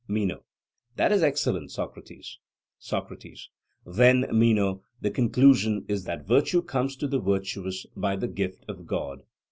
MENO: That is excellent, Socrates. SOCRATES: Then, Meno, the conclusion is that virtue comes to the virtuous by the gift of God.